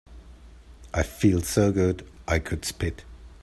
I feel so good I could spit.